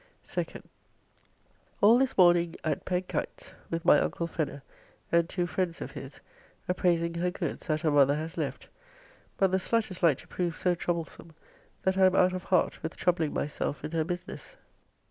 2nd. All this morning at Pegg Kite's with my uncle Fenner, and two friends of his, appraising her goods that her mother has left; but the slut is like to prove so troublesome that I am out of heart with troubling myself in her business.